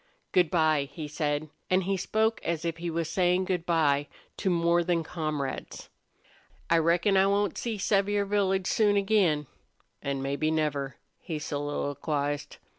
"Good by," he said, and he spoke as if he was saying good by to more than comrades. "I reckon I won't see Sevier Village soon again an' maybe never," he soliloquized.